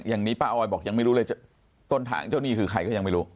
อย่างนี้ป้าออยบอกยังไม่รู้เลยต้นทางเจ้าหนี้คือใครก็ยังไม่รู้